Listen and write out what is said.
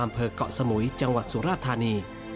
อำเภอกเกาะสมุยจังหวัดสุราธารณี